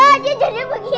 mamam ada yang mau kini